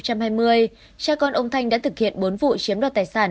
cha con ông thanh đã thực hiện bốn vụ chiếm đoạt tài sản